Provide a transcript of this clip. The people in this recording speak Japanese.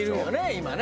今ね。